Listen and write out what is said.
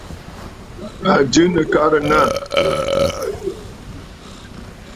À jɨ nɨ̀karə̀ nâ.